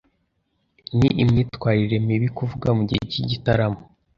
Ni imyitwarire mibi kuvuga mugihe cy'igitaramo.